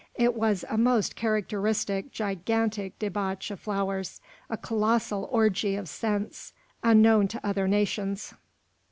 It was a most characteristic, gigantic debauch of flowers, a colossal orgy of scents, unknown to other nations.